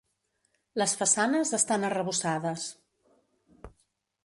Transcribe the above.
Les façanes estan arrebossades.